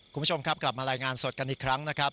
คุณผู้ชมครับกลับมารายงานสดกันอีกครั้งนะครับ